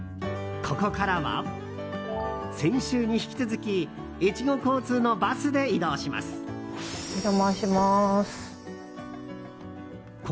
ここからは先週に引き続き越後交通のバスで移動します。